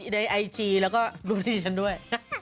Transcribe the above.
ในไอจีแล้วก็ดูที่ฉันด้วย